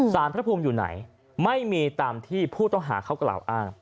สารพระภูมิอยู่ไหนไม่มีตามที่ผู้ต้องหาเขากล่าวอ้าง